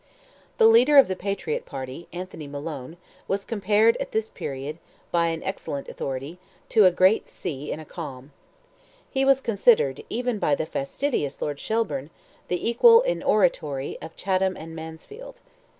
The leader of the Patriot party, Anthony Malone, was compared at this period, by an excellent authority, to "a great sea in a calm." He was considered, even by the fastidious Lord Shelburne, the equal, in oratory, of Chatham and Mansfield.